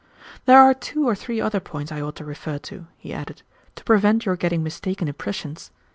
"There are two or three other points I ought to refer to," he added, "to prevent your getting mistaken impressions.